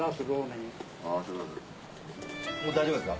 もう大丈夫ですか？